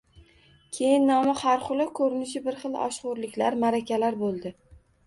Keyin nomi har xil-u, koʻrinishi bir xil oshxoʻrliklar – maʼrakalar boʻldi.